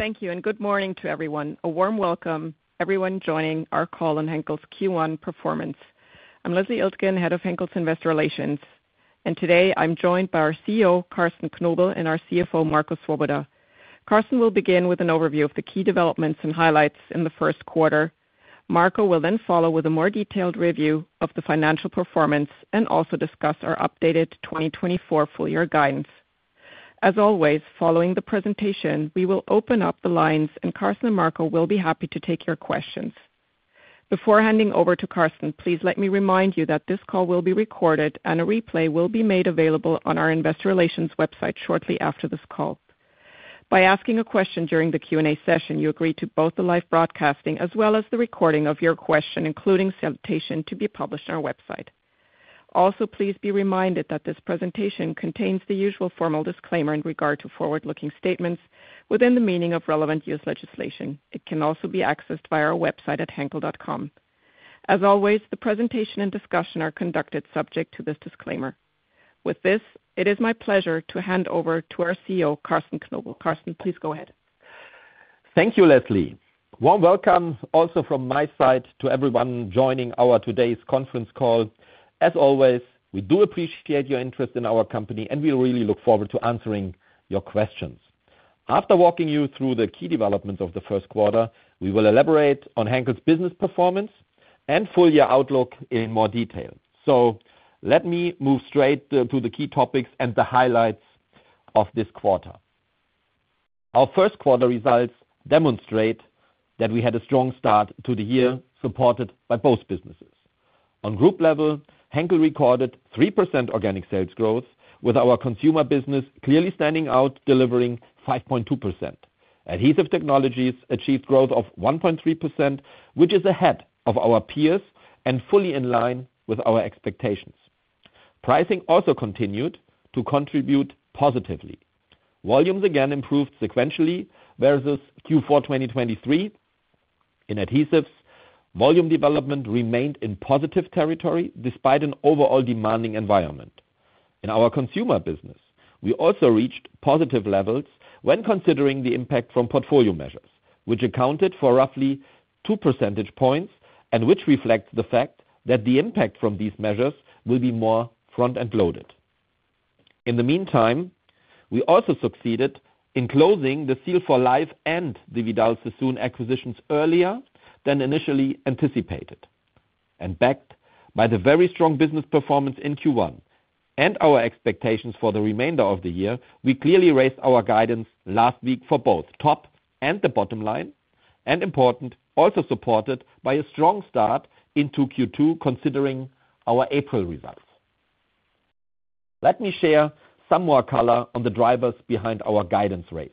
Thank you, and good morning to everyone. A warm welcome, everyone joining our call on Henkel's Q1 performance. I'm Leslie Iltgen, Head of Henkel's Investor Relations, and today I'm joined by our CEO, Carsten Knobel, and our CFO, Marco Swoboda. Carsten will begin with an overview of the key developments and highlights in the Q1. Marco will then follow with a more detailed review of the financial performance and also discuss our updated 2024 full-year guidance. As always, following the presentation, we will open up the lines, and Carsten and Marco will be happy to take your questions. Before handing over to Carsten, please let me remind you that this call will be recorded, and a replay will be made available on our Investor Relations website shortly after this call. By asking a question during the Q&A session, you agree to both the live broadcasting as well as the recording of your question, including citation, to be published on our website. Also, please be reminded that this presentation contains the usual formal disclaimer in regard to forward-looking statements within the meaning of relevant US legislation. It can also be accessed via our website at Henkel.com. As always, the presentation and discussion are conducted subject to this disclaimer. With this, it is my pleasure to hand over to our CEO, Carsten Knobel. Carsten, please go ahead. Thank you, Leslie. Warm welcome also from my side to everyone joining our today's conference call. As always, we do appreciate your interest in our company, and we really look forward to answering your questions. After walking you through the key developments of the Q1, we will elaborate on Henkel's business performance and full-year outlook in more detail. Let me move straight to the key topics and the highlights of this quarter. Our Q1 results demonstrate that we had a strong start to the year supported by both businesses. On group level, Henkel recorded 3% organic sales growth, with our consumer business clearly standing out, delivering 5.2%. Adhesive Technologies achieved growth of 1.3%, which is ahead of our peers and fully in line with our expectations. Pricing also continued to contribute positively. Volumes again improved sequentially versus Q4 2023. In adhesives, volume development remained in positive territory despite an overall demanding environment. In our consumer business, we also reached positive levels when considering the impact from portfolio measures, which accounted for roughly two percentage points and which reflects the fact that the impact from these measures will be more front-end loaded. In the meantime, we also succeeded in closing the Seal for Life and Vidal Sassoon acquisitions earlier than initially anticipated. Backed by the very strong business performance in Q1 and our expectations for the remainder of the year, we clearly raised our guidance last week for both top and the bottom line, and, importantly, also supported by a strong start into Q2 considering our April results. Let me share some more color on the drivers behind our guidance raise.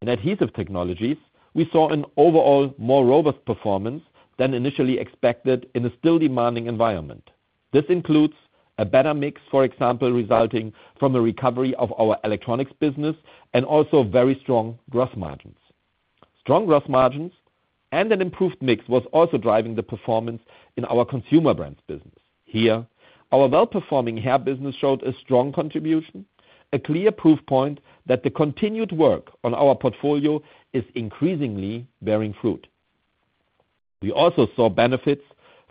In Adhesive Technologies, we saw an overall more robust performance than initially expected in a still demanding environment. This includes a better mix, for example, resulting from a recovery of our electronics business and also very strong gross margins. Strong gross margins and an improved mix were also driving the performance in our Consumer Brands business. Here, our well-performing hair business showed a strong contribution, a clear proof point that the continued work on our portfolio is increasingly bearing fruit. We also saw benefits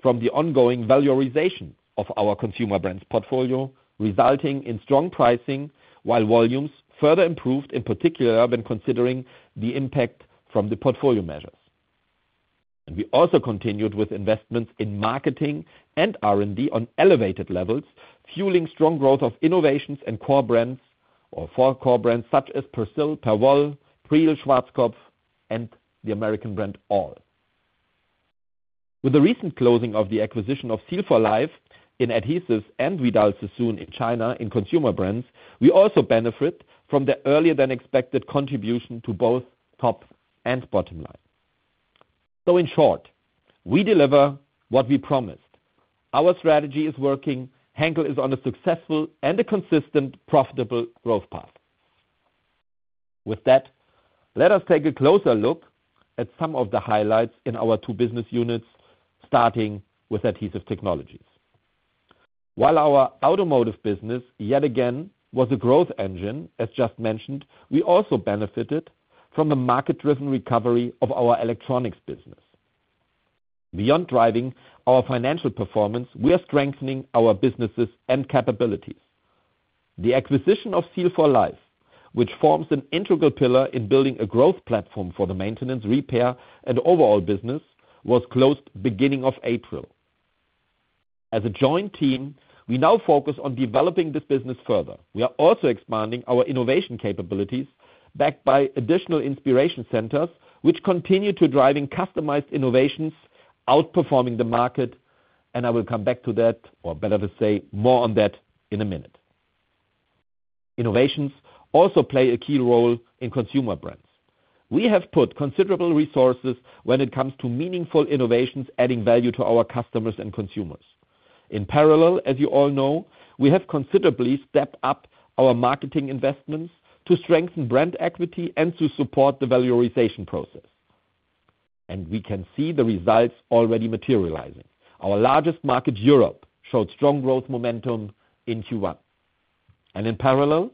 from the ongoing valorisation of our Consumer Brands portfolio, resulting in strong pricing while volumes further improved, in particular when considering the impact from the portfolio measures. We also continued with investments in marketing and R&D on elevated levels, fueling strong growth of innovations and core brands or for core brands such as Persil, Perwoll, Pril, Schwarzkopf, and the American brand all. With the recent closing of the acquisition of Seal for Life in adhesives and Vidal Sassoon in China in Consumer Brands, we also benefited from the earlier-than-expected contribution to both top and bottom line. So in short, we deliver what we promised. Our strategy is working. Henkel is on a successful and a consistent profitable growth path. With that, let us take a closer look at some of the highlights in our two business units, starting with Adhesive Technologies. While our automotive business yet again was a growth engine, as just mentioned, we also benefited from the market-driven recovery of our electronics business. Beyond driving our financial performance, we are strengthening our businesses and capabilities. The acquisition of Seal for Life, which forms an integral pillar in building a growth platform for the maintenance, repair, and overhaul business, was closed beginning of April. As a joint team, we now focus on developing this business further. We are also expanding our innovation capabilities backed by additional innovation centers, which continue to drive customized innovations outperforming the market. And I will come back to that, or better to say, more on that in a minute. Innovations also play a key role in consumer brands. We have put considerable resources when it comes to meaningful innovations, adding value to our customers and consumers. In parallel, as you all know, we have considerably stepped up our marketing investments to strengthen brand equity and to support the valorization process. And we can see the results already materializing. Our largest market, Europe, showed strong growth momentum in Q1. In parallel,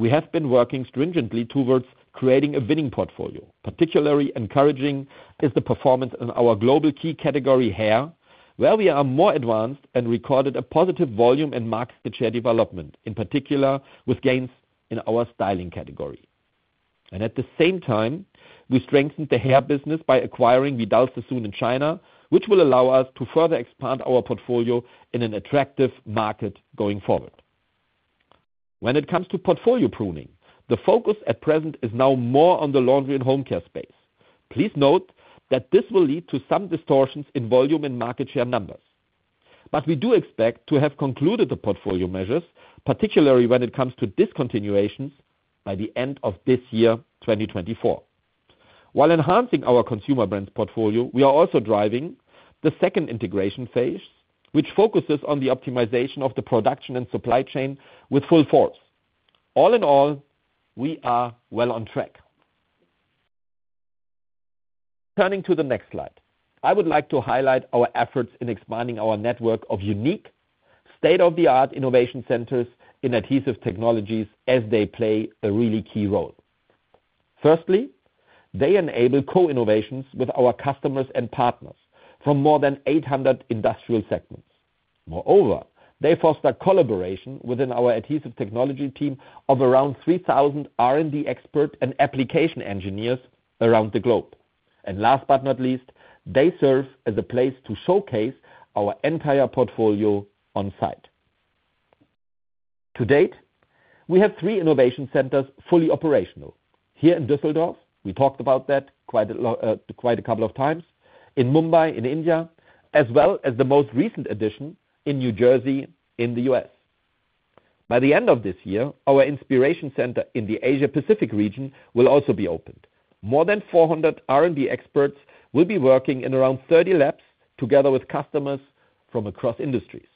we have been working stringently towards creating a winning portfolio, particularly encouraging the performance in our global key category, hair, where we are more advanced and recorded a positive volume and market share development, in particular with gains in our styling category. At the same time, we strengthened the hair business by acquiring Vidal Sassoon in China, which will allow us to further expand our portfolio in an attractive market going forward. When it comes to portfolio pruning, the focus at present is now more Laundry & Home Care space. please note that this will lead to some distortions in volume and market share numbers. We do expect to have concluded the portfolio measures, particularly when it comes to discontinuations, by the end of this year, 2024. While enhancing our consumer brands portfolio, we are also driving the second integration phase, which focuses on the optimization of the production and supply chain with full force. All in all, we are well on track. Turning to the next slide, I would like to highlight our efforts in expanding our network of unique, state-of-the-art innovation centers in adhesive technologies as they play a really key role. Firstly, they enable co-innovations with our customers and partners from more than 800 industrial segments. Moreover, they foster collaboration within our adhesive technology team of around 3,000 R&D experts and application engineers around the globe. And last but not least, they serve as a place to showcase our entire portfolio on site. To date, we have three innovation centers fully operational. Here in Düsseldorf, we talked about that quite a couple of times. In Mumbai, in India, as well as the most recent addition in New Jersey, in the US By the end of this year, our innovation center in the Asia-Pacific region will also be opened. More than 400 R&D experts will be working in around 30 labs together with customers from across industries.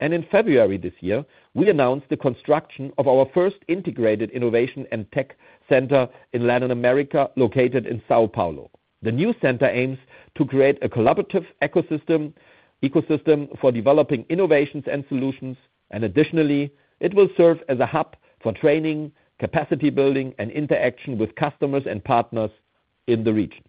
In February this year, we announced the construction of our first integrated innovation and tech center in Latin America, located in São Paulo. The new center aims to create a collaborative ecosystem for developing innovations and solutions. Additionally, it will serve as a hub for training, capacity building, and interaction with customers and partners in the region.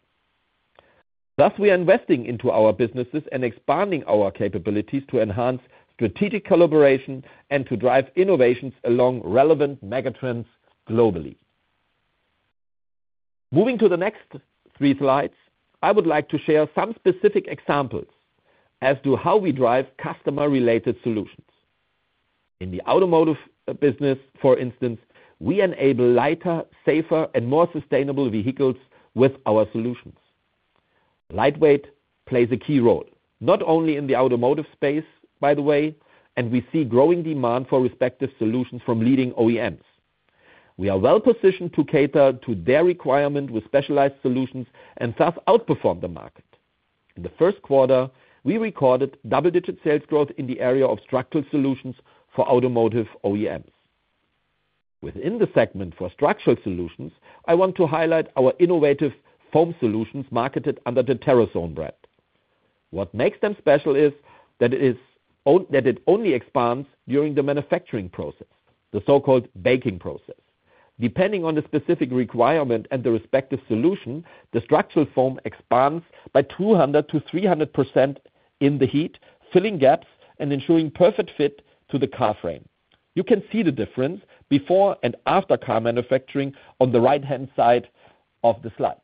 Thus, we are investing into our businesses and expanding our capabilities to enhance strategic collaboration and to drive innovations along relevant megatrends globally. Moving to the next three slides, I would like to share some specific examples as to how we drive customer-related solutions. In the automotive business, for instance, we enable lighter, safer, and more sustainable vehicles with our solutions. Lightweight plays a key role, not only in the automotive space, by the way, and we see growing demand for respective solutions from leading OEMs. We are well positioned to cater to their requirement with specialized solutions and thus outperform the market. In the Q1, we recorded double-digit sales growth in the area of structural solutions for automotive OEMs. Within the segment for structural solutions, I want to highlight our innovative foam solutions marketed under the Teroson brand. What makes them special is that it only expands during the manufacturing process, the so-called baking process. Depending on the specific requirement and the respective solution, the structural foam expands by 200% to 300% in the heat, filling gaps, and ensuring perfect fit to the car frame. You can see the difference before and after car manufacturing on the right-hand side of the slide.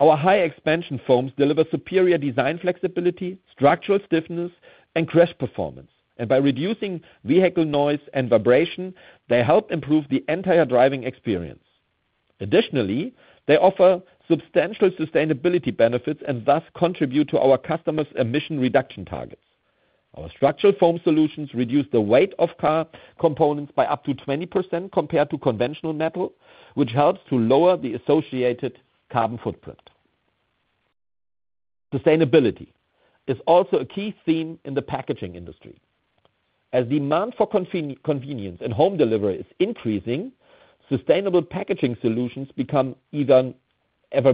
Our high-expansion foams deliver superior design flexibility, structural stiffness, and crash performance. By reducing vehicle noise and vibration, they help improve the entire driving experience. Additionally, they offer substantial sustainability benefits and thus contribute to our customers' emission reduction targets. Our structural foam solutions reduce the weight of car components by up to 20% compared to conventional metal, which helps to lower the associated carbon footprint. Sustainability is also a key theme in the packaging industry. As demand for convenience and home delivery is increasing, sustainable packaging solutions become even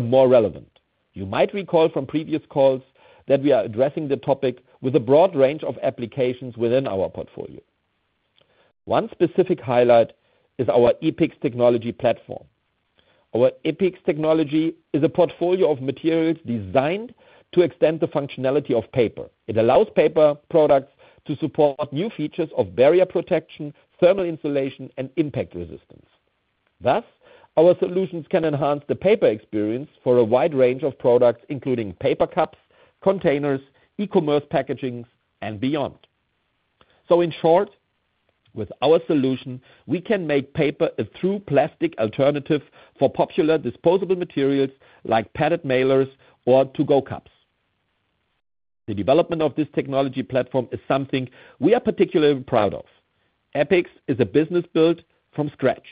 more relevant. You might recall from previous calls that we are addressing the topic with a broad range of applications within our portfolio. One specific highlight is our EPIX Technology platform. Our EPIX Technology is a portfolio of materials designed to extend the functionality of paper. It allows paper products to support new features of barrier protection, thermal insulation, and impact resistance. Thus, our solutions can enhance the paper experience for a wide range of products, including paper cups, containers, e-commerce packaging, and beyond. So in short, with our solution, we can make paper a true plastic alternative for popular disposable materials like padded mailers or to-go cups. The development of this technology platform is something we are particularly proud of. EPIX is a business built from scratch.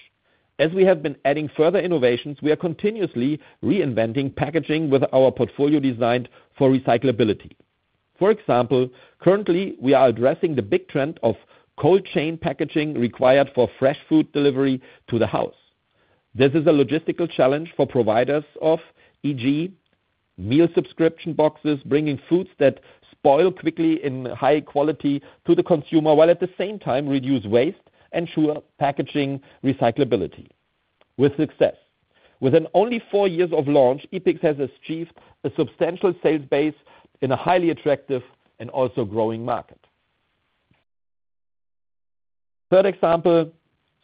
As we have been adding further innovations, we are continuously reinventing packaging with our portfolio designed for recyclability. For example, currently, we are addressing the big trend of cold chain packaging required for fresh food delivery to the house. This is a logistical challenge for providers of, e.g., meal subscription boxes, bringing foods that spoil quickly in high quality to the consumer while at the same time reduce waste and ensure packaging recyclability with success. Within only four years of launch, EPIX has achieved a substantial sales base in a highly attractive and also growing market. Third example,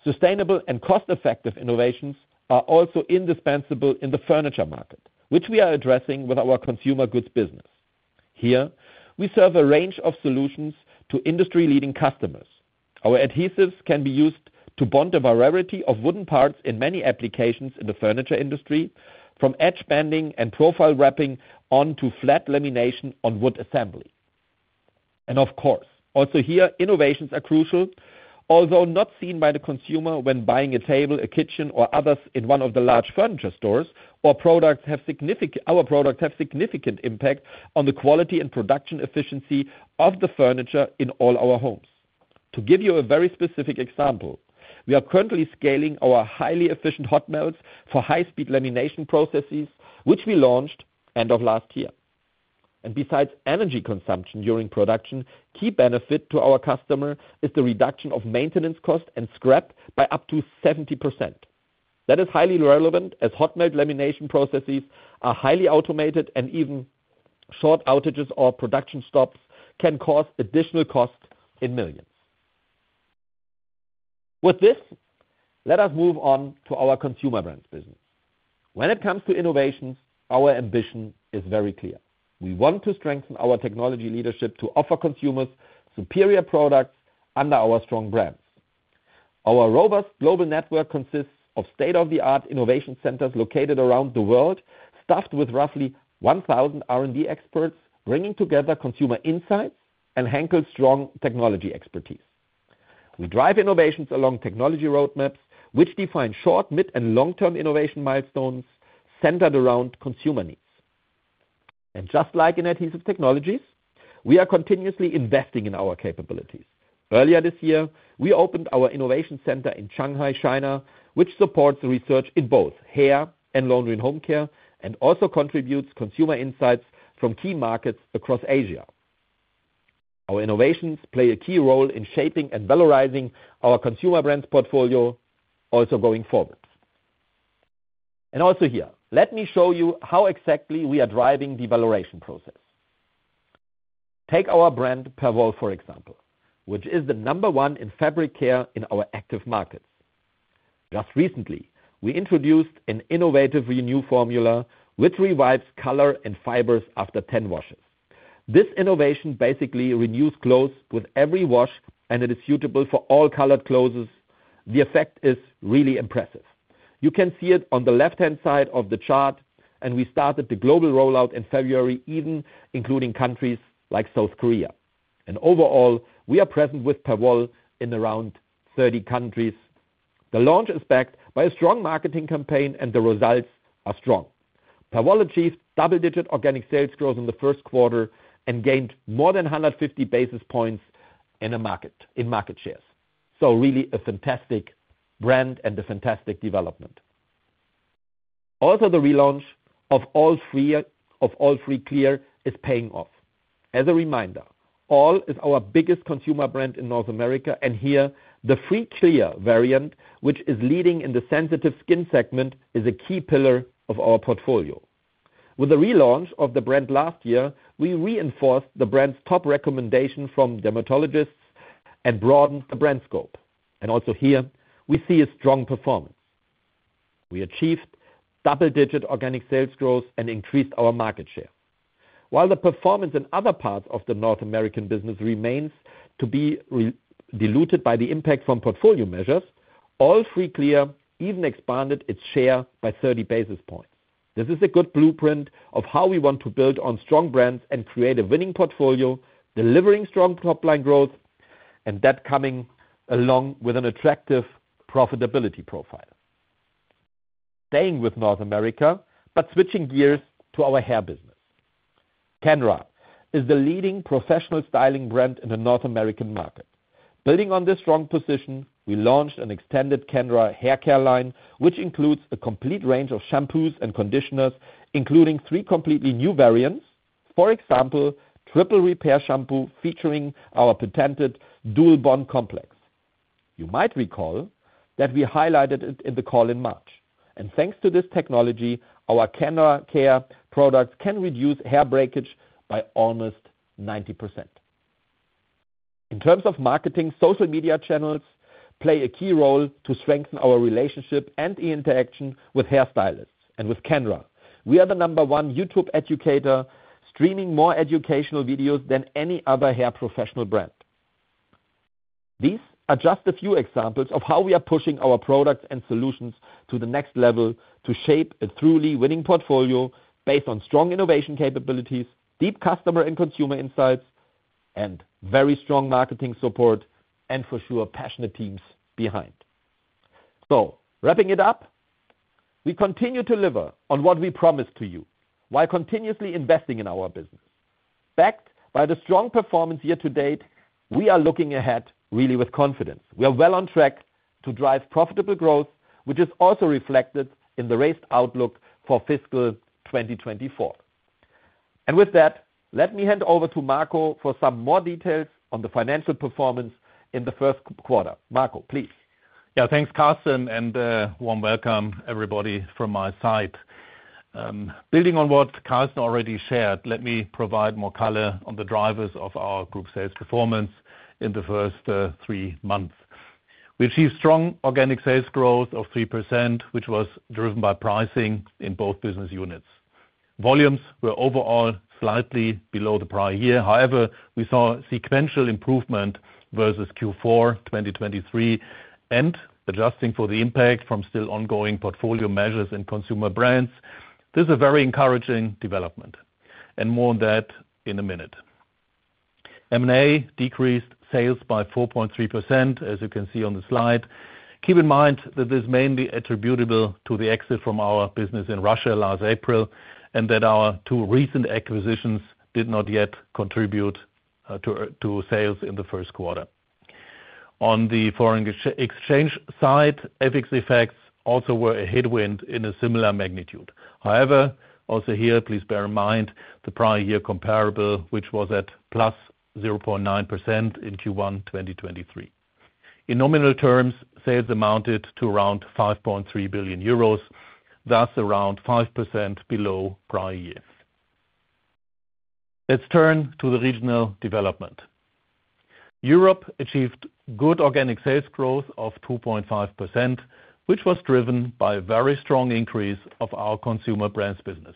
sustainable and cost-effective innovations are also indispensable in the furniture market, which we are addressing with our consumer goods business. Here, we serve a range of solutions to industry-leading customers. Our adhesives can be used to bond a variety of wooden parts in many applications in the furniture industry, from edge banding and profile wrapping onto flat lamination on wood assembly. Of course, also here, innovations are crucial, although not seen by the consumer when buying a table, a kitchen, or others in one of the large furniture stores. Our products have significant impact on the quality and production efficiency of the furniture in all our homes. To give you a very specific example, we are currently scaling our highly efficient hot melts for high-speed lamination processes, which we launched at the end of last year. And besides energy consumption during production, a key benefit to our customer is the reduction of maintenance costs and scrap by up to 70%. That is highly relevant as hot melt lamination processes are highly automated and even short outages or production stops can cause additional costs in millions of EUR. With this, let us move on to our consumer brands business. When it comes to innovations, our ambition is very clear. We want to strengthen our technology leadership to offer consumers superior products under our strong brands. Our robust global network consists of state-of-the-art innovation centers located around the world, staffed with roughly 1,000 R&D experts bringing together consumer insights and Henkel's strong technology expertise. We drive innovations along technology roadmaps, which define short, mid, and long-term innovation milestones centered around consumer needs. Just like in adhesive technologies, we are continuously investing in our capabilities. Earlier this year, we opened our innovation center in Shanghai, China, which supports research in both Laundry & Home Care and also contributes consumer insights from key markets across Asia. Our innovations play a key role in shaping and valorising our consumer brands portfolio also going forward. Also here, let me show you how exactly we are driving the valorisation process. Take our brand Perwoll, for example, which is the number one in fabric care in our active markets. Just recently, we introduced an innovative renew formula which revives color and fibers after 10 washes. This innovation basically renews clothes with every wash, and it is suitable for all colored clothes. The effect is really impressive. You can see it on the left-hand side of the chart. We started the global rollout in February, even including countries like South Korea. Overall, we are present with Perwoll in around 30 countries. The launch is backed by a strong marketing campaign, and the results are strong. Perwoll achieved double-digit organic sales growth in the Q1 and gained more than 150 basis points in market shares. So really a fantastic brand and a fantastic development. Also, the relaunch of all free clear is paying off. As a reminder, all is our biggest consumer brand in North America. Here, the free clear variant, which is leading in the sensitive skin segment, is a key pillar of our portfolio. With the relaunch of the brand last year, we reinforced the brand's top recommendation from dermatologists and broadened the brand scope. Also here, we see a strong performance. We achieved double-digit organic sales growth and increased our market share. While the performance in other parts of the North American business remains to be diluted by the impact from portfolio measures, all free clear even expanded its share by 30 basis points. This is a good blueprint of how we want to build on strong brands and create a winning portfolio delivering strong top-line growth and that coming along with an attractive profitability profile. Staying with North America, but switching gears to our hair business. Kenra is the leading professional styling brand in the North American market. Building on this strong position, we launched an extended Kenra hair care line, which includes a complete range of shampoos and conditioners, including three completely new variants, for example, triple repair shampoo featuring our patented DualBond Complex. You might recall that we highlighted it in the call in March. And thanks to this technology, our Kenra care products can reduce hair breakage by almost 90%. In terms of marketing, social media channels play a key role to strengthen our relationship and interaction with hair stylists and with Kenra. We are the number one YouTube educator streaming more educational videos than any other hair professional brand. These are just a few examples of how we are pushing our products and solutions to the next level to shape a truly winning portfolio based on strong innovation capabilities, deep customer and consumer insights, and very strong marketing support and for sure passionate teams behind. So wrapping it up, we continue to deliver on what we promised to you while continuously investing in our business. Backed by the strong performance year to date, we are looking ahead really with confidence. We are well on track to drive profitable growth, which is also reflected in the raised outlook for Fiscal 2024. And with that, let me hand over to Marco for some more details on the financial performance in the Q1. Marco, please. Yeah, thanks, Carsten. Warm welcome, everybody, from my side. Building on what Carsten already shared, let me provide more color on the drivers of our group sales performance in the first three months. We achieved strong organic sales growth of 3%, which was driven by pricing in both business units. Volumes were overall slightly below the prior year. However, we saw sequential improvement versus Q4 2023 and adjusting for the impact from still ongoing portfolio measures in consumer brands. This is a very encouraging development. More on that in a minute. M&A decreased sales by 4.3%, as you can see on the slide. Keep in mind that this is mainly attributable to the exit from our business in Russia last April and that our two recent acquisitions did not yet contribute to sales in the Q1. On the foreign exchange side, EPIX effects also were a headwind in a similar magnitude. However, also here, please bear in mind the prior year comparable, which was at +0.9% in Q1 2023. In nominal terms, sales amounted to around 5.3 billion euros, thus around 5% below prior year. Let's turn to the regional development. Europe achieved good organic sales growth of 2.5%, which was driven by a very strong increase of our consumer brands business.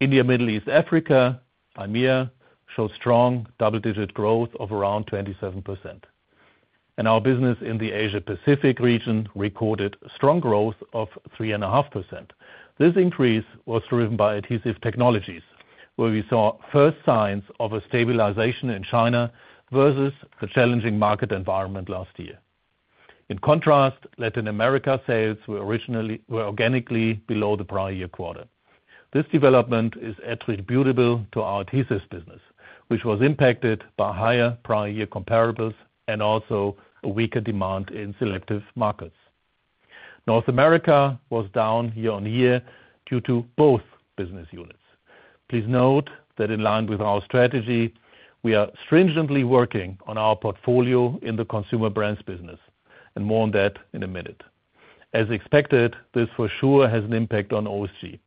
India, Middle East, Africa, IMEA showed strong double-digit growth of around 27%. And our business in the Asia-Pacific region recorded strong growth of 3.5%. This increase was driven by adhesive technologies, where we saw first signs of a stabilization in China versus the challenging market environment last year. In contrast, Latin America sales were originally organically below the prior year quarter. This development is attributable to our adhesives business, which was impacted by higher prior year comparables and also a weaker demand in selective markets. North America was down year-on-year due to both business units. Please note that in line with our strategy, we are stringently working on our portfolio in the consumer brands business. And more on that in a minute. As expected, this for sure has an impact on OSG.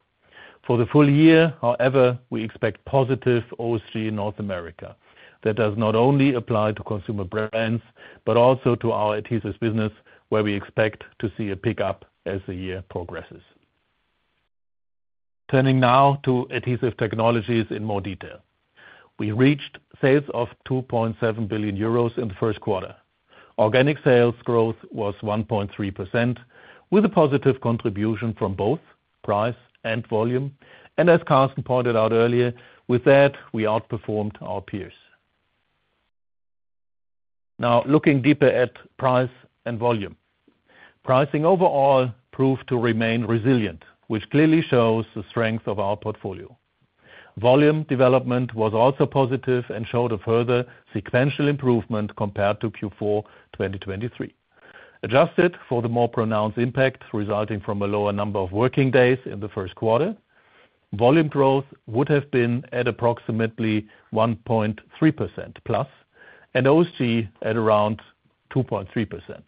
For the full year, however, we expect positive OSG in North America. That does not only apply to consumer brands but also to our adhesives business, where we expect to see a pickup as the year progresses. Turning now to adhesive technologies in more detail. We reached sales of 2.7 billion euros in the Q1. Organic sales growth was 1.3% with a positive contribution from both price and volume. As Carsten pointed out earlier, with that, we outperformed our peers. Now, looking deeper at price and volume. Pricing overall proved to remain resilient, which clearly shows the strength of our portfolio. Volume development was also positive and showed a further sequential improvement compared to Q4 2023. Adjusted for the more pronounced impact resulting from a lower number of working days in the Q1, volume growth would have been at approximately 1.3%+ and OSG at around 2.3%.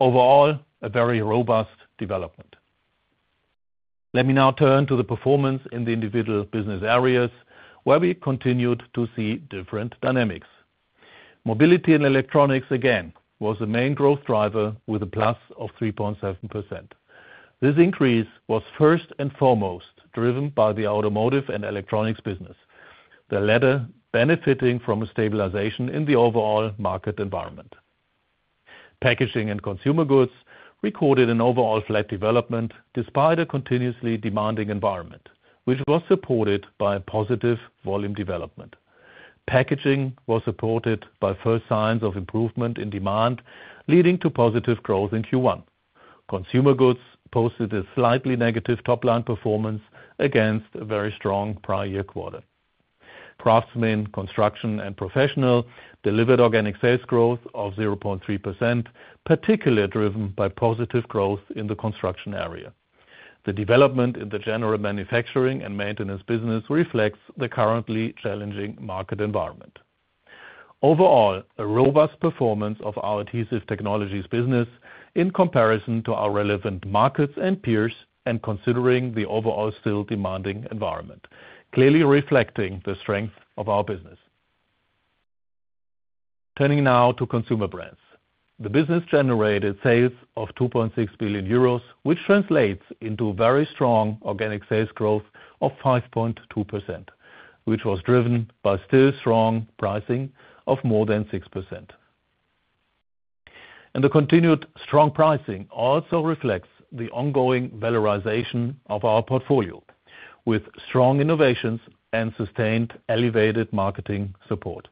Overall, a very robust development. Let me now turn to the performance in the individual business areas, where we continued to see different dynamics. Mobility and electronics again was the main growth driver with a plus of 3.7%. This increase was first and foremost driven by the automotive and electronics business, the latter benefiting from a stabilization in the overall market environment. Packaging and consumer goods recorded an overall flat development despite a continuously demanding environment, which was supported by positive volume development. Packaging was supported by first signs of improvement in demand, leading to positive growth in Q1. Consumer goods posted a slightly negative top-line performance against a very strong prior year quarter. Craftsmen, construction, and professional delivered organic sales growth of 0.3%, particularly driven by positive growth in the construction area. The development in the general manufacturing and maintenance business reflects the currently challenging market environment. Overall, a robust performance of our Adhesive Technologies business in comparison to our relevant markets and peers and considering the overall still demanding environment, clearly reflecting the strength of our business. Turning now to Consumer Brands. The business generated sales of 2.6 billion euros, which translates into very strong organic sales growth of 5.2%, which was driven by still strong pricing of more than 6%. The continued strong pricing also reflects the ongoing valorisation of our portfolio with strong innovations and sustained elevated marketing support.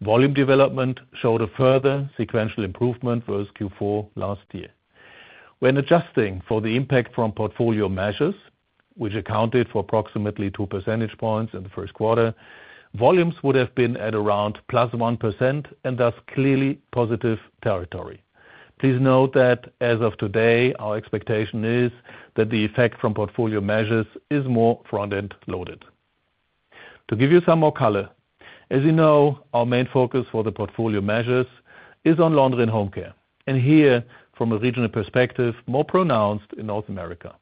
Volume development showed a further sequential improvement versus Q4 last year. When adjusting for the impact from portfolio measures, which accounted for approximately two percentage points in the Q1, volumes would have been at around plus 1% and thus clearly positive territory. Please note that as of today, our expectation is that the effect from portfolio measures is more front-end loaded. To give you some more color, as you know, our main focus for the portfolio measures Laundry & Home Care. here, from a regional perspective, more pronounced in North America.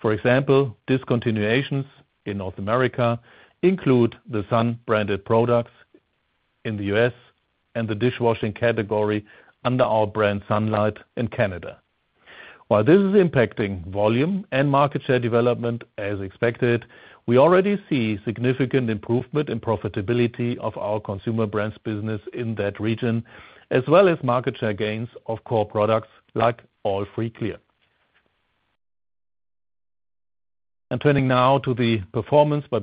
For example, discontinuations in North America include the Sun-branded products in the US and the dishwashing category under our brand Sunlight in Canada. While this is impacting volume and market share development as expected, we already see significant improvement in profitability of our consumer brands business in that region, as well as market share gains of core products like All Free Clear. And turning now to the performance by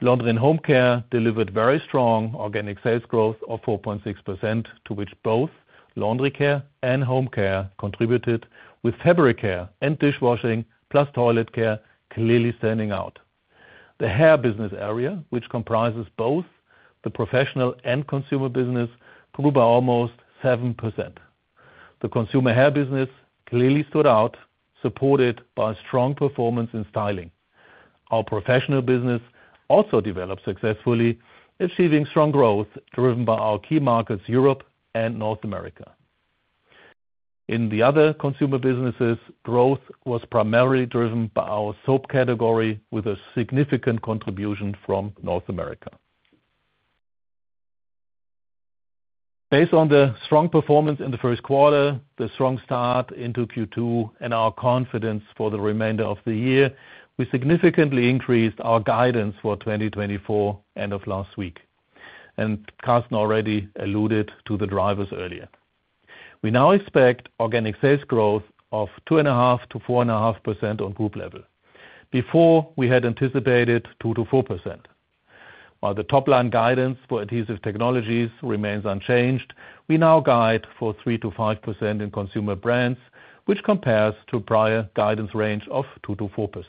Laundry & Home Care delivered very strong organic sales growth of 4.6%, to which both laundry care and home care contributed, with fabric care and dishwashing plus toilet care clearly standing out. The hair business area, which comprises both the professional and consumer business, grew by almost 7%. The consumer hair business clearly stood out, supported by strong performance in styling. Our professional business also developed successfully, achieving strong growth driven by our key markets, Europe and North America. In the other consumer businesses, growth was primarily driven by our soap category, with a significant contribution from North America. Based on the strong performance in the Q1, the strong start into Q2, and our confidence for the remainder of the year, we significantly increased our guidance for 2024, end of last week. Carsten already alluded to the drivers earlier. We now expect organic sales growth of 2.5% to 4.5% on group level. Before, we had anticipated 2% to 4%. While the top-line guidance for adhesive technologies remains unchanged, we now guide for 3% to 5% in consumer brands, which compares to a prior guidance range of 2% to 4%.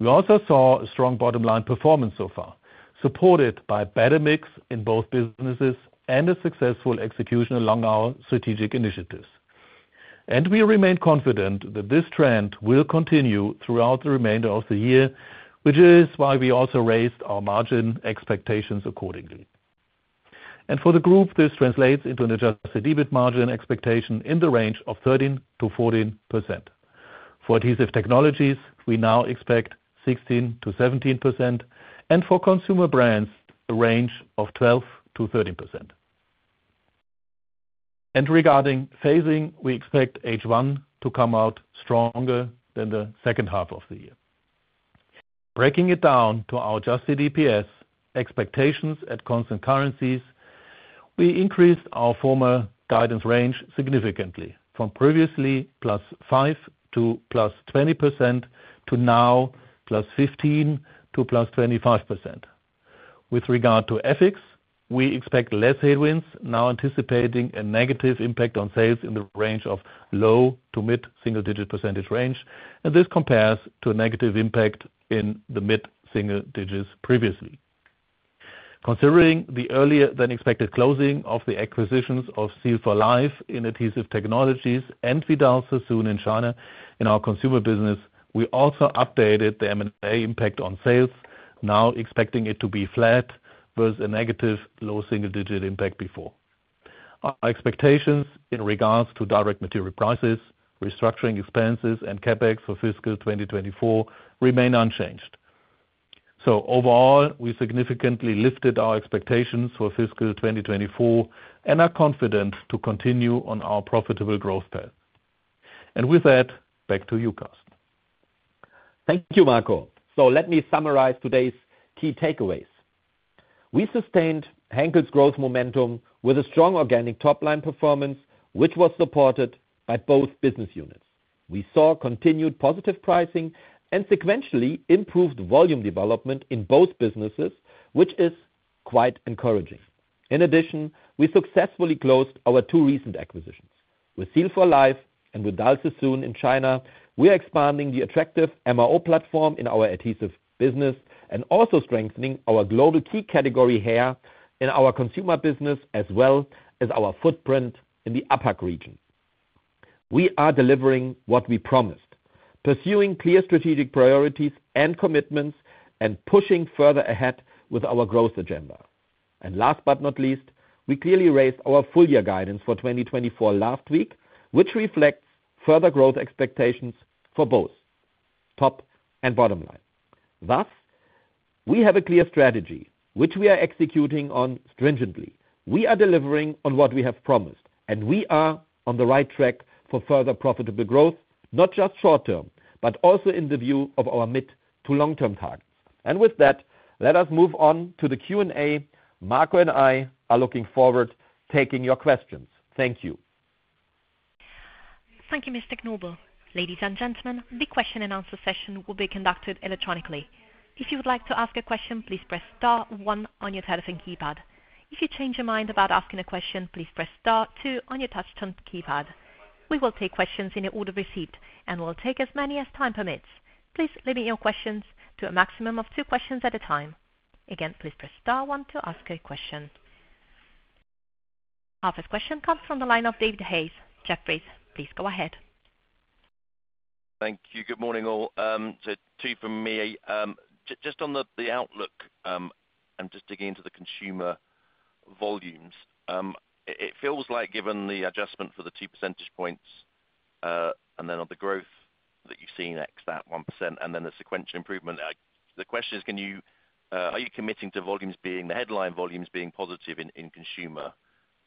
We also saw a strong bottom-line performance so far, supported by better mix in both businesses and a successful execution along our strategic initiatives. We remain confident that this trend will continue throughout the remainder of the year, which is why we also raised our margin expectations accordingly. For the group, this translates into an adjusted EBIT margin expectation in the range of 13% to 14%. For adhesive technologies, we now expect 16% to 17%. For consumer brands, a range of 12% to 13%. Regarding phasing, we expect H1 to come out stronger than the second half of the year. Breaking it down to our adjusted EPS expectations at constant currencies, we increased our former guidance range significantly from previously +5% to +20% to now +15% to +25%. With regard to EPIX, we expect less headwinds, now anticipating a negative impact on sales in the range of low- to mid-single-digit percentage range. And this compares to a negative impact in the mid-single digits previously. Considering the earlier than expected closing of the acquisitions of Seal for Life in adhesive technologies and Vidal Sassoon in China in our consumer business, we also updated the M&A impact on sales, now expecting it to be flat versus a negative low-single-digit impact before. Our expectations in regards to direct material prices, restructuring expenses, and CapEx for Fiscal 2024 remain unchanged. So overall, we significantly lifted our expectations for Fiscal 2024 and are confident to continue on our profitable growth path. And with that, back to you, Carsten. Thank you, Marco. So let me summarize today's key takeaways. We sustained Henkel's growth momentum with a strong organic top-line performance, which was supported by both business units. We saw continued positive pricing and sequentially improved volume development in both businesses, which is quite encouraging. In addition, we successfully closed our two recent acquisitions. With Seal for Life and Vidal SassooN in China, we are expanding the attractive MRO platform in our adhesive business and also strengthening our global key category hair in our consumer business as well as our footprint in the APAC region. We are delivering what we promised, pursuing clear strategic priorities and commitments, and pushing further ahead with our growth agenda. And last but not least, we clearly raised our full year guidance for 2024 last week, which reflects further growth expectations for both top and bottom line. Thus, we have a clear strategy, which we are executing on stringently. We are delivering on what we have promised, and we are on the right track for further profitable growth, not just short term, but also in the view of our mid to long-term targets. With that, let us move on to the Q&A. Marco and I are looking forward to taking your questions. Thank you. Thank you, Mr. Knobel. Ladies and gentlemen, the question and answer session will be conducted electronically. If you would like to ask a question, please press star one on your telephone keypad. If you change your mind about asking a question, please press star two on your touchscreen keypad. We will take questions in the order received and will take as many as time permits. Please limit your questions to a maximum of two questions at a time. Again, please press star one to ask a question. Our first question comes from the line of David Hayes. Jefferies, please go ahead. Thank you. Good morning, all. So two from me. Just on the outlook and just digging into the consumer volumes, it feels like given the adjustment for the two percentage points and then on the growth that you've seen ex that 1% and then the sequential improvement, the question is, are you committing to volumes being the headline volumes being positive in consumer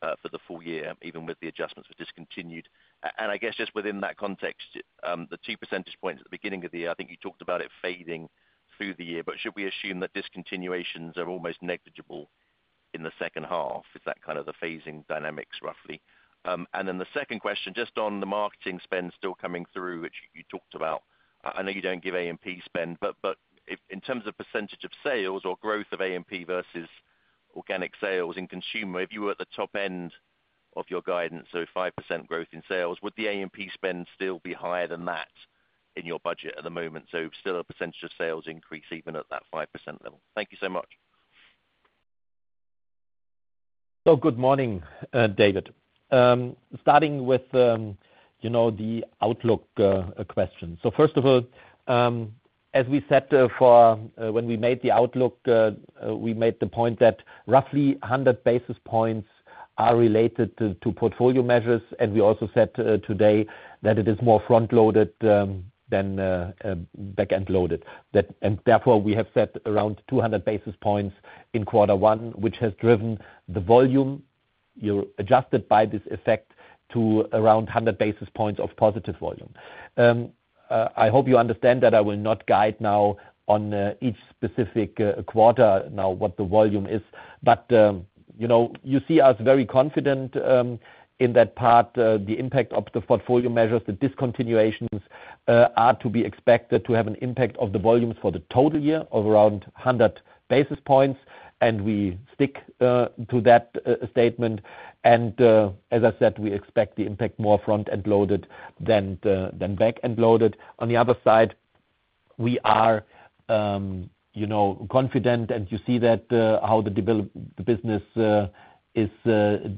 for the full year, even with the adjustments were discontinued? And I guess just within that context, the two percentage points at the beginning of the year, I think you talked about it fading through the year. But should we assume that discontinuations are almost negligible in the second half? Is that kind of the phasing dynamics, roughly? And then the second question, just on the marketing spend still coming through, which you talked about. I know you don't give A&P spend, but in terms of percentage of sales or growth of A&P versus organic sales in consumer, if you were at the top end of your guidance, so 5% growth in sales, would the A&P spend still be higher than that in your budget at the moment? So still a percentage of sales increase even at that 5% level. Thank you so much. Well, good morning, David. Starting with the outlook question. So first of all, as we said when we made the outlook, we made the point that roughly 100 basis points are related to portfolio measures. And we also said today that it is more front-loaded than back-end loaded. And therefore, we have set around 200 basis points in Q1, which has driven the volume adjusted by this effect to around 100 basis points of positive volume. I hope you understand that I will not guide now on each specific quarter now what the volume is. But you see us very confident in that part, the impact of the portfolio measures, the discontinuations are to be expected to have an impact of the volumes for the total year of around 100 basis points. And we stick to that statement. As I said, we expect the impact more front-end loaded than back-end loaded. On the other side, we are confident, and you see that how the business is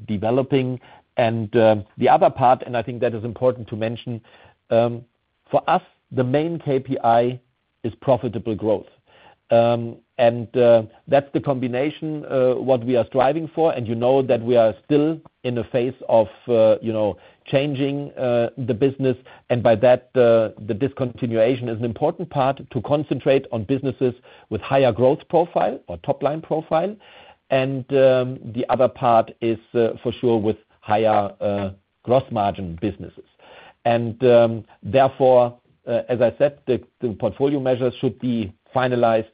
developing. And the other part, and I think that is important to mention, for us, the main KPI is profitable growth. And that's the combination what we are striving for. And you know that we are still in a phase of changing the business. And by that, the discontinuation is an important part to concentrate on businesses with higher growth profile or top-line profile. And the other part is for sure with higher gross margin businesses. And therefore, as I said, the portfolio measures should be finalized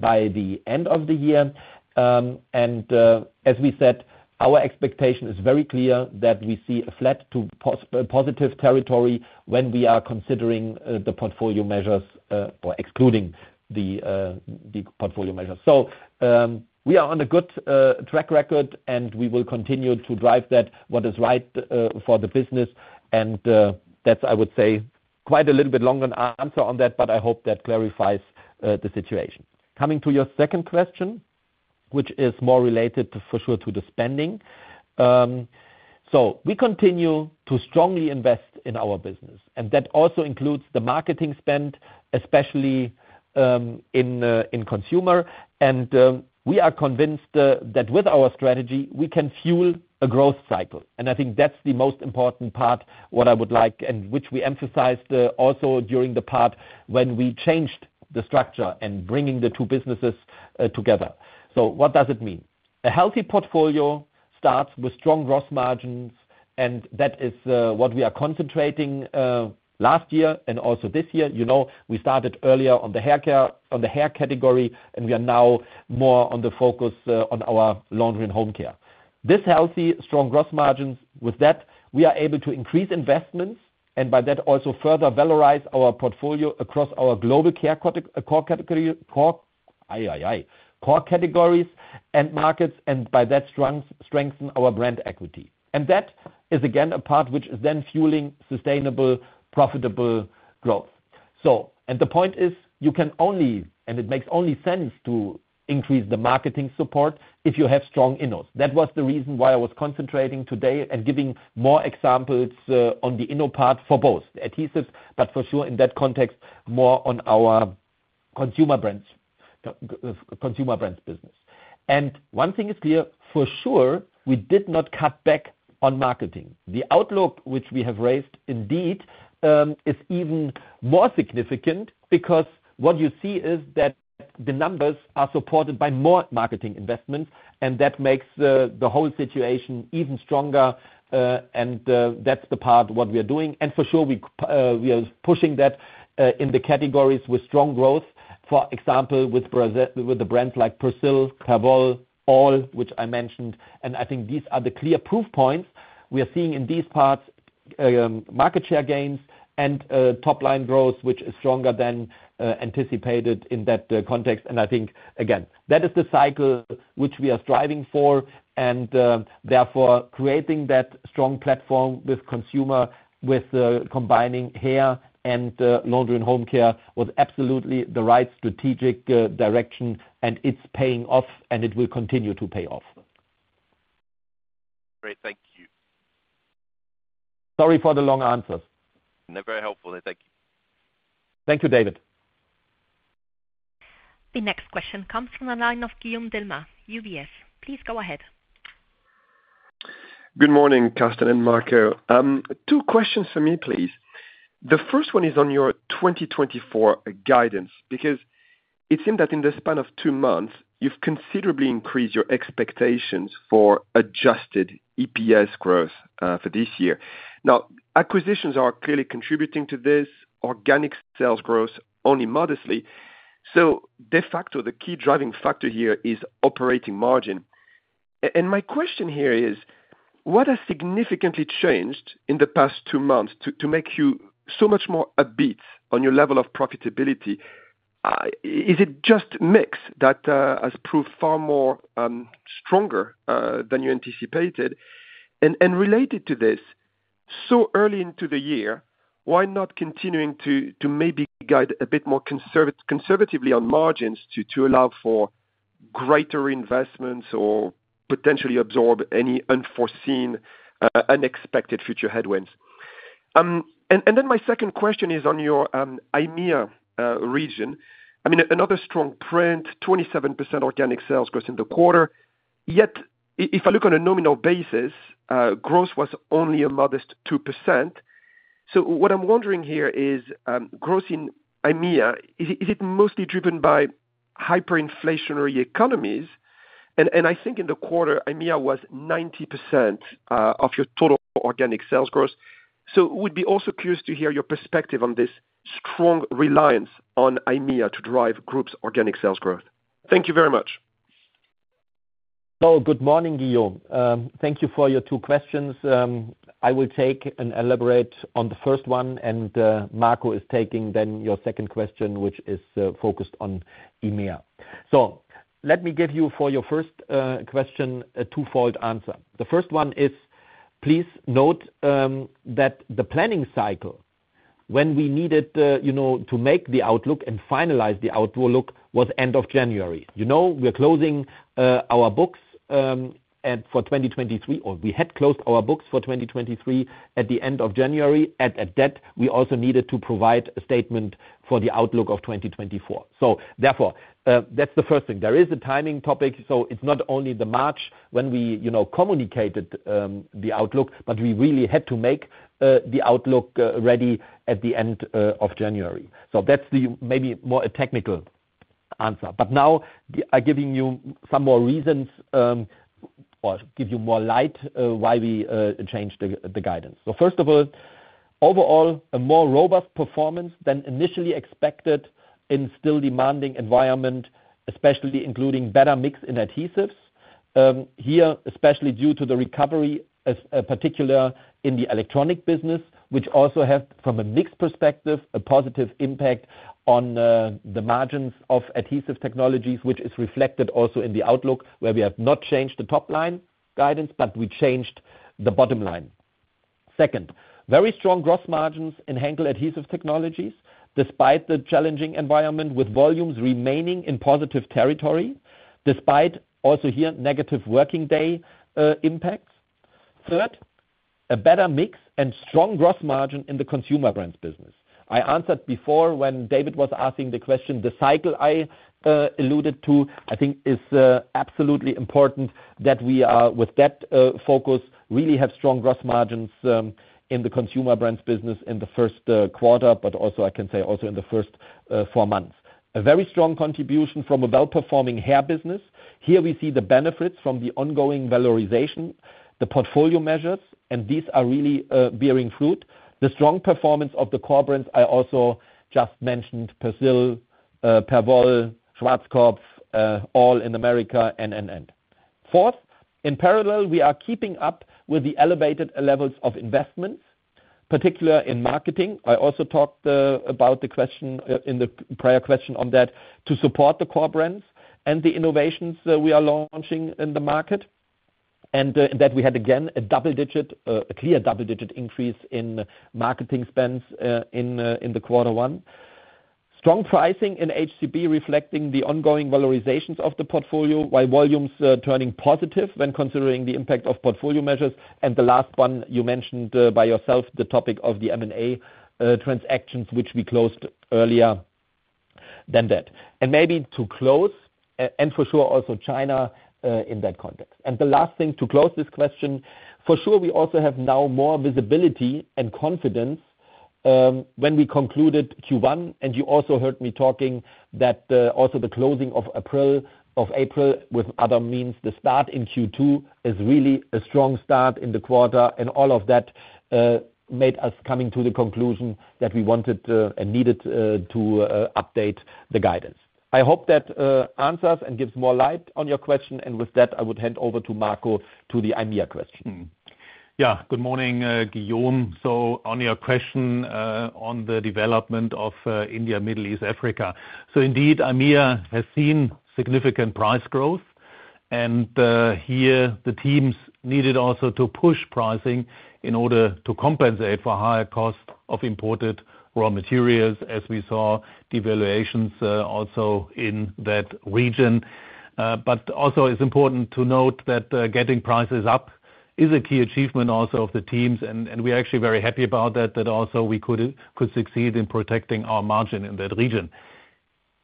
by the end of the year. As we said, our expectation is very clear that we see a flat to positive territory when we are considering the portfolio measures or excluding the portfolio measures. So we are on a good track record, and we will continue to drive what is right for the business. And that's, I would say, quite a little bit long an answer on that, but I hope that clarifies the situation. Coming to your second question, which is more related for sure to the spending. So we continue to strongly invest in our business. And that also includes the marketing spend, especially in consumer. And we are convinced that with our strategy, we can fuel a growth cycle. And I think that's the most important part, what I would like and which we emphasized also during the part when we changed the structure and bringing the two businesses together. So what does it mean? A healthy portfolio starts with strong gross margins, and that is what we are concentrating last year and also this year. We started earlier on the hair category, and we are now more on the focus Laundry & Home Care. this healthy, strong gross margins, with that, we are able to increase investments and by that also further valorise our portfolio across our global care core categories and markets and by that strengthen our brand equity. And that is again a part which is then fueling sustainable, profitable growth. And the point is, you can only and it makes only sense to increase the marketing support if you have strong innovations. That was the reason why I was concentrating today and giving more examples on the innovation part for both adhesives, but for sure in that context, more on our consumer brands business. One thing is clear. For sure, we did not cut back on marketing. The outlook, which we have raised indeed, is even more significant because what you see is that the numbers are supported by more marketing investments. That makes th e whole situation even stronger. That's the part what we are doing. For sure, we are pushing that in the categories with strong growth, for example, with the brands like Persil, Perwoll, ALL, which I mentioned. I think these are the clear proof points. We are seeing in these parts market share gains and top-line growth, which is stronger than anticipated in that context. I think, again, that is the cycle which we are striving for. Therefore, creating that strong platform with consumer, with combining Laundry & Home Care was absolutely the right strategic direction. It's paying off, and it will continue to pay off. Great. Thank you. Sorry for the long answers. They're very helpful. Thank you. Thank you, David. The next question comes from the line of Guillaume Delmas, UBS. Please go ahead. Good morning, Carsten and Marco. Two questions for me, please. The first one is on your 2024 guidance because it seemed that in the span of two months, you've considerably increased your expectations for adjusted EPS growth for this year. Now, acquisitions are clearly contributing to this, organic sales growth only modestly. So de facto, the key driving factor here is operating margin. And my question here is, what has significantly changed in the past two months to make you so much more upbeat on your level of profitability? Is it just mix that has proved far more stronger than you anticipated? And related to this, so early into the year, why not continuing to maybe guide a bit more conservatively on margins to allow for greater investments or potentially absorb any unforeseen, unexpected future headwinds? And then my second question is on your IMEA region. I mean, another strong print, 27% organic sales growth in the quarter. Yet if I look on a nominal basis, growth was only a modest 2%. So what I'm wondering here is, growth in IMEA, is it mostly driven by hyperinflationary economies? I think in the quarter, IMEA was 90% of your total organic sales growth. We'd be also curious to hear your perspective on this strong reliance on IMEA to drive groups' organic sales growth. Thank you very much. Well, good morning, Guillaume. Thank you for your two questions. I will take and elaborate on the first one. Marco is taking then your second question, which is focused on IMEA. Let me give you for your first question a twofold answer. The first one is, please note that the planning cycle, when we needed to make the outlook and finalize the outlook, was end of January. We're closing our books for 2023, or we had closed our books for 2023 at the end of January. At that, we also needed to provide a statement for the outlook of 2024. Therefore, that's the first thing. There is a timing topic. It's not only the March when we communicated the outlook, but we really had to make the outlook ready at the end of January. That's maybe more a technical answer. But now I'm giving you some more reasons or give you more light why we changed the guidance. So first of all, overall, a more robust performance than initially expected in still demanding environment, especially including better mix in adhesives. Here, especially due to the recovery, particularly in the electronic business, which also have, from a mixed perspective, a positive impact on the margins of Adhesive Technologies, which is reflected also in the outlook where we have not changed the top-line guidance, but we changed the bottom line. Second, very strong gross margins in Henkel Adhesive Technologies despite the challenging environment with volumes remaining in positive territory, despite also here negative working day impacts. Third, a better mix and strong gross margin in the Consumer Brands business. I answered before when David was asking the question, the cycle I alluded to. I think it's absolutely important that we are with that focus really have strong gross margins in the Consumer Brands business in the Q1, but also I can say also in the first four months. A very strong contribution from a well-performing hair business. Here, we see the benefits from the ongoing valorization, the portfolio measures, and these are really bearing fruit. The strong performance of the core brands I also just mentioned, Persil, Perwoll, Schwarzkopf, all in America, and, and, and. Fourth, in parallel, we are keeping up with the elevated levels of investments, particularly in marketing. I also talked about the question in the prior question on that to support the core brands and the innovations we are launching in the market. In that, we had again a clear double-digit increase in marketing spends in Q1. Strong pricing in HCB reflecting the ongoing valorizations of the portfolio while volumes turning positive when considering the impact of portfolio measures. The last one you mentioned by yourself, the topic of the M&A transactions, which we closed earlier than that. And maybe to close and for sure also China in that context. The last thing to close this question, for sure, we also have now more visibility and confidence when we concluded Q1. You also heard me talking that also the closing of April with other means, the start in Q2 is really a strong start in the quarter. All of that made us coming to the conclusion that we wanted and needed to update the guidance. I hope that answers and gives more light on your question. With that, I would hand over to Marco to the IMEA question. Yeah. Good morning, Guillaume. So on your question on the development of India, Middle East, Africa. So indeed, IMEA has seen significant price growth. And here, the teams needed also to push pricing in order to compensate for higher cost of imported raw materials as we saw devaluations also in that region. But also it's important to note that getting prices up is a key achievement also of the teams. And we are actually very happy about that, that also we could succeed in protecting our margin in that region.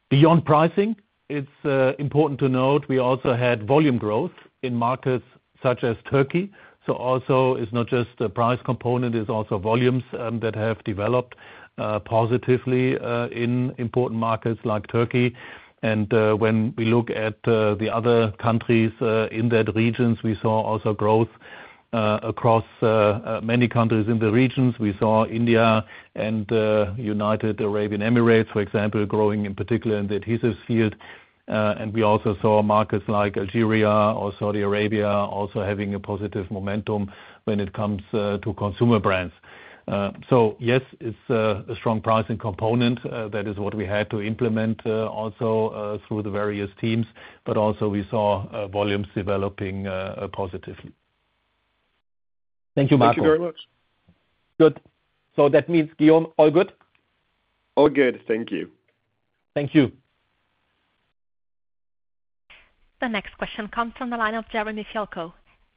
Beyond pricing, it's important to note we also had volume growth in markets such as Turkey. So also it's not just the price component, it's also volumes that have developed positively in important markets like Turkey. And when we look at the other countries in that region, we saw also growth across many countries in the region. We saw India and United Arab Emirates, for example, growing in particular in the adhesives field. We also saw markets like Algeria or Saudi Arabia also having a positive momentum when it comes to consumer brands. Yes, it's a strong pricing component. That is what we had to implement also through the various teams. But also we saw volumes developing positively. Thank you, Marco. Thank you very much. Good. So that means, Guillaume, all good? All good. Thank you. Thank you. The next question comes from the line of Jeremy Fialko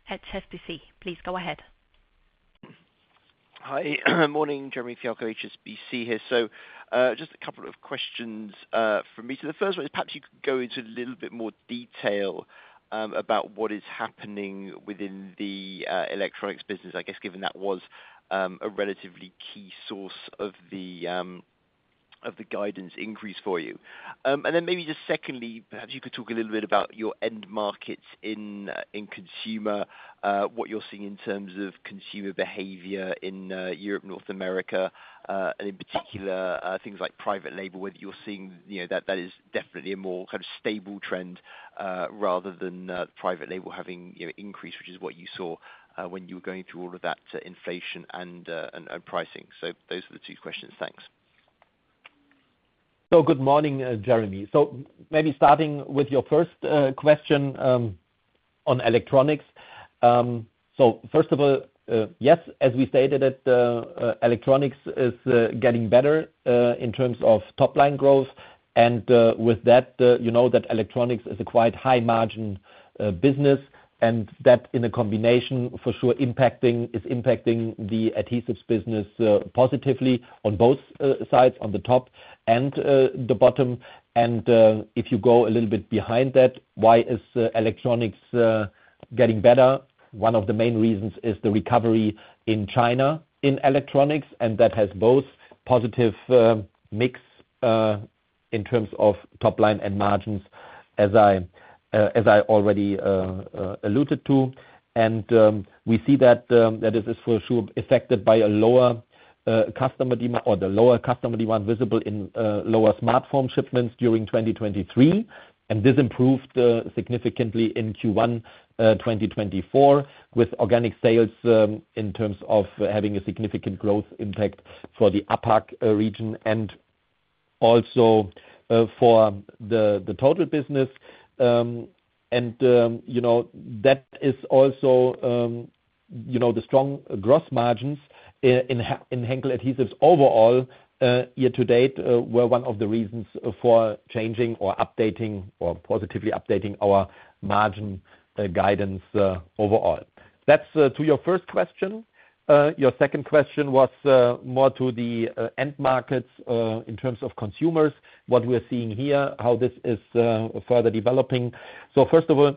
at HSBC. Please go ahead. Hi. Morning, Jeremy Fialko, HSBC here. So just a couple of questions from me. So the first one is perhaps you could go into a little bit more detail about what is happening within the electronics business, I guess, given that was a relatively key source of the guidance increase for you. And then maybe just secondly, perhaps you could talk a little bit about your end markets in consumer, what you're seeing in terms of consumer behavior in Europe, North America, and in particular, things like private label, whether you're seeing that is definitely a more kind of stable trend rather than private label having increased, which is what you saw when you were going through all of that inflation and pricing. So those are the two questions. Thanks. Good morning, Jeremy. Maybe starting with your first question on electronics. First of all, yes, as we stated, electronics is getting better in terms of top-line growth. With that, you know that electronics is a quite high-margin business. That in a combination, for sure, is impacting the adhesives business positively on both sides, on the top and the bottom. If you go a little bit behind that, why is electronics getting better? One of the main reasons is the recovery in China in electronics. That has both positive mix in terms of top-line and margins, as I already alluded to. We see that this is for sure affected by a lower customer demand or the lower customer demand visible in lower smartphone shipments during 2023. This improved significantly in Q1 2024 with organic sales in terms of having a significant growth impact for the APAC region and also for the total business. That is also the strong gross margins in Henkel adhesives overall year to date were one of the reasons for changing or updating or positively updating our margin guidance overall. That's to your first question. Your second question was more to the end markets in terms of consumers, what we are seeing here, how this is further developing. First of all,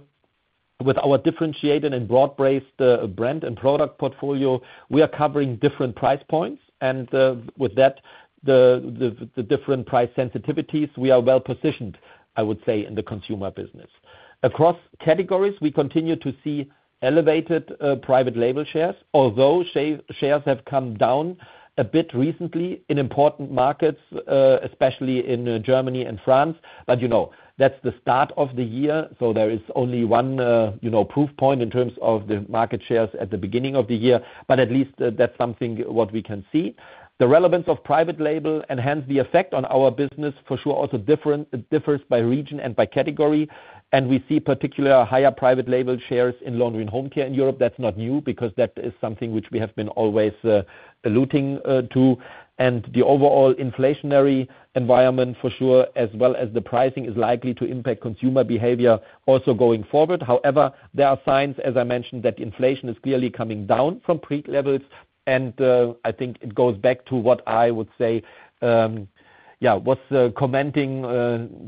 with our differentiated and broad-based brand and product portfolio, we are covering different price points. And with that, the different price sensitivities, we are well positioned, I would say, in the consumer business. Across categories, we continue to see elevated private label shares, although shares have come down a bit recently in important markets, especially in Germany and France. But that's the start of the year. So there is only one proof point in terms of the market shares at the beginning of the year. But at least that's something what we can see. The relevance of private label and hence the effect on our business for sure also differs by region and by category. And we see particularly higher private label Laundry & Home Care in europe. That's not new because that is something which we have been always alluding to. And the overall inflationary environment for sure, as well as the pricing, is likely to impact consumer behavior also going forward. However, there are signs, as I mentioned, that inflation is clearly coming down from peak levels. And I think it goes back to what I would say, yeah, was commenting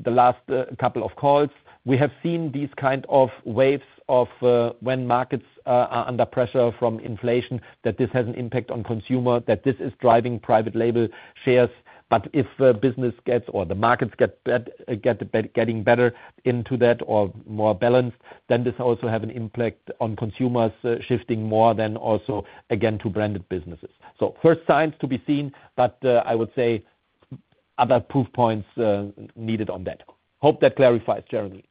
the last couple of calls. We have seen these kind of waves of when markets are under pressure from inflation, that this has an impact on consumer, that this is driving private label shares. But if business gets or the markets get getting better into that or more balanced, then this also has an impact on consumers shifting more than also again to branded businesses. So first signs to be seen, but I would say other proof points needed on that. Hope that clarifies, Jeremy.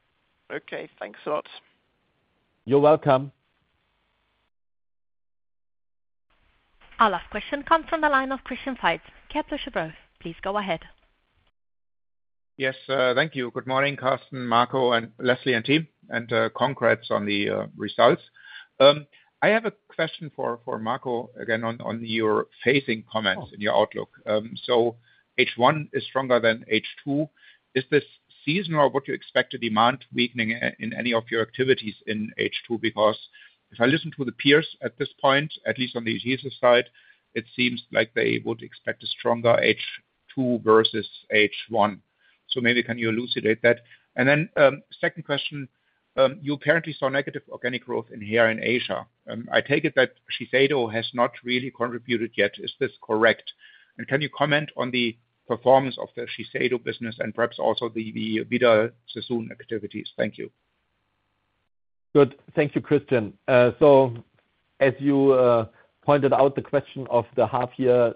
Okay. Thanks a lot. You're welcome. Our last question comes from the line of Christian Faitz, Kepler Cheuvreux. Please go ahead. Yes. Thank you. Good morning, Carsten, Marco, and Leslie and team. And congrats on the results. I have a question for Marco, again, on your phasing comments in your outlook. So H1 is stronger than H2. Is this seasonal or would you expect a demand weakening in any of your activities in H2? Because if I listen to the peers at this point, at least on the adhesive side, it seems like they would expect a stronger H2 versus H1. So maybe can you elucidate that? And then second question, you apparently saw negative organic growth in hair in Asia. I take it that Shiseido has not really contributed yet. Is this correct? And can you comment on the performance of the Shiseido business and perhaps also the Vidal Sassoon activities? Thank you. Good. Thank you, Christian. So as you pointed out, the question of the half-year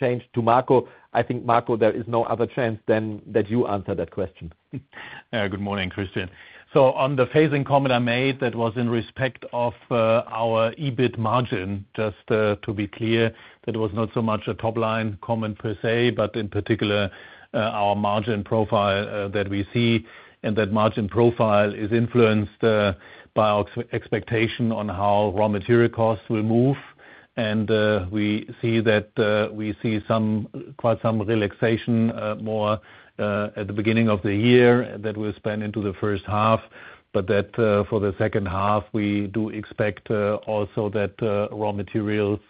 change to Marco, I think, Marco, there is no other chance than that you answer that question. Good morning, Christian. So on the phasing comment I made, that was in respect of our EBIT margin. Just to be clear, that was not so much a top-line comment per se, but in particular, our margin profile that we see. That margin profile is influenced by our expectation on how raw material costs will move. And we see that we see quite some relaxation more at the beginning of the year that we'll spend into the first half. But that for the second half, we do expect also that raw materials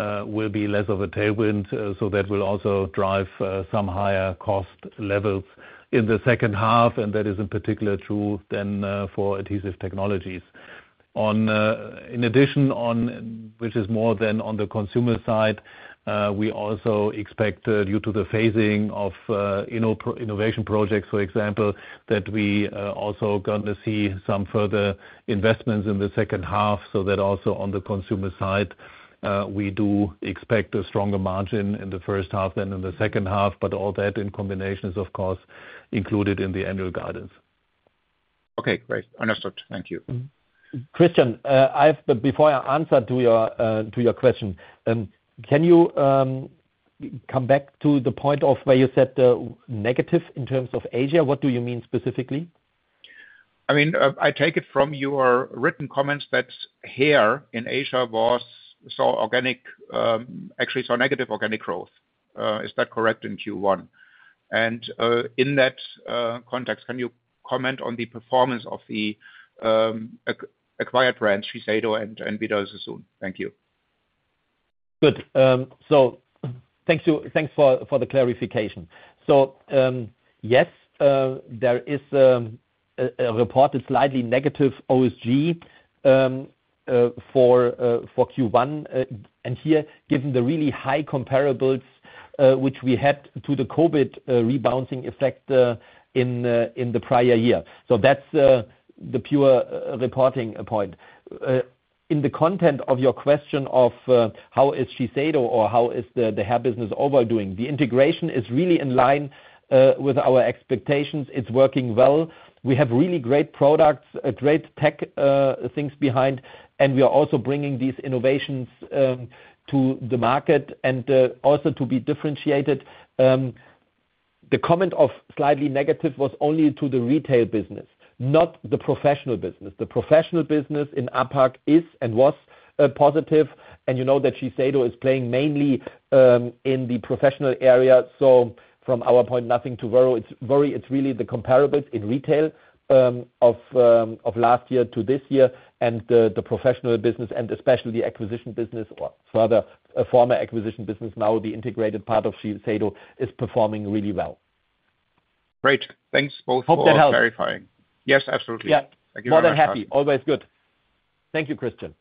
will be less of a tailwind. So that will also drive some higher cost levels in the second half. And that is in particular true then for Adhesive Technologies. In addition, which is more than on the consumer side, we also expect due to the phasing of innovation projects, for example, that we also going to see some further investments in the second half. So that also on the consumer side, we do expect a stronger margin in the first half than in the second half. But all that in combination is, of course, included in the annual guidance. Okay. Great. Understood. Thank you. Christian, before I answer to your question, can you come back to the point of where you said negative in terms of Asia? What do you mean specifically? I mean, I take it from your written comments that here in Asia saw actually negative organic growth. Is that correct in Q1? And in that context, can you comment on the performance of the acquired brands, Shiseido and Vidal Sassoon? Thank you. Good. So thanks for the clarification. So yes, there is a reported slightly negative OSG for Q1. And here, given the really high comparables, which we had to the COVID rebounding effect in the prior year. So that's the pure reporting point. In the context of your question of how is Shiseido or how is the hair business overall doing, the integration is really in line with our expectations. It's working well. We have really great products, great tech things behind. And we are also bringing these innovations to the market and also to be differentiated. The comment of slightly negative was only to the retail business, not the professional business. The professional business in APAC is and was positive. And you know that Shiseido is playing mainly in the professional area. So from our point, nothing to worry. It's really the comparables in retail of last year to this year and the professional business and especially the acquisition business or further former acquisition business, now the integrated part of Shiseido, is performing really well. Great. Thanks both for clarifying. Hope that helps. Yes, absolutely. Thank you very much. More than happy. Always good. Thank you, Christian.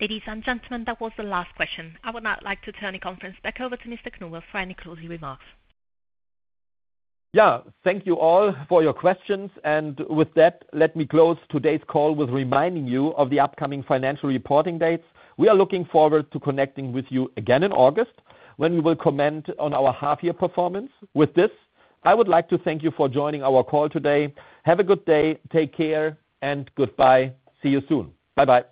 Ladies and gentlemen, that was the last question. I would now like to turn the conference back over to Mr. Knobel for any closing remarks. Yeah. Thank you all for your questions. With that, let me close today's call with reminding you of the upcoming financial reporting dates. We are looking forward to connecting with you again in August when we will comment on our half-year performance. With this, I would like to thank you for joining our call today. Have a good day. Take care. Goodbye. See you soon. Bye-bye.